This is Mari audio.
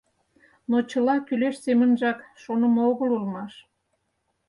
Но чыла кӱлеш семынжак шонымо огыл улмаш.